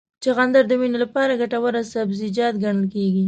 چغندر د وینې لپاره ګټور سبزیجات ګڼل کېږي.